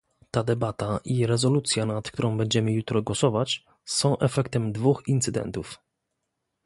Ta debata i rezolucja, nad którą będziemy jutro głosować, są efektem dwóch incydentów